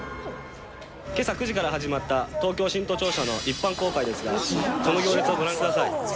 けさ９時から始まった東京新都庁舎の一般公開ですが、この行列をご覧ください。